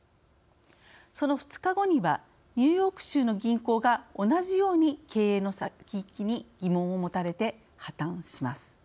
その２日後にはニューヨーク州の銀行が同じように経営の先行きに疑問を持たれて破綻します。